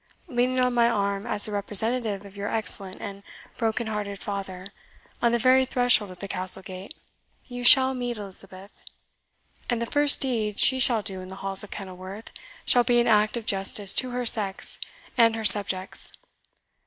Leaning on my arm, as the representative of your excellent and broken hearted father, on the very threshold of the Castle gate, you shall meet Elizabeth; and the first deed she shall do in the halls of Kenilworth shall be an act of justice to her sex and her subjects.